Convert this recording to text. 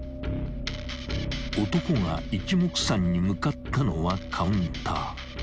［男が一目散に向かったのはカウンター］